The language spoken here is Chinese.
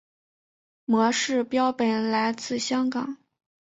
模式标本来自香港。